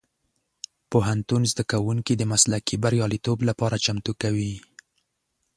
پوهنتون زدهکوونکي د مسلکي بریالیتوب لپاره چمتو کوي.